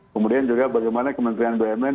kemudian juga bagaimana kementerian bumn